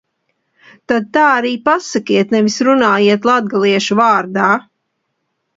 Tad tā arī pasakiet, nevis runājiet latgaliešu vārdā.